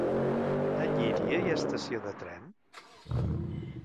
A Llíria hi ha estació de tren?